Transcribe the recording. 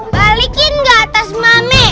balikin gak atas mame